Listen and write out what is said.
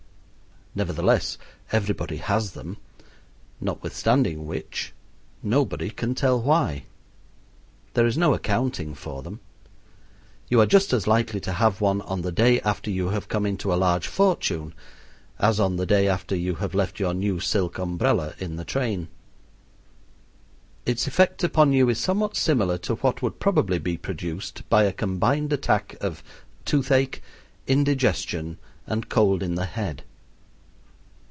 Nevertheless, everybody has them; notwithstanding which, nobody can tell why. There is no accounting for them. You are just as likely to have one on the day after you have come into a large fortune as on the day after you have left your new silk umbrella in the train. Its effect upon you is somewhat similar to what would probably be produced by a combined attack of toothache, indigestion, and cold in the head.